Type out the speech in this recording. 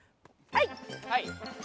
はい。